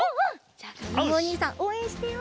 じゃあかずむおにいさんおうえんしてよう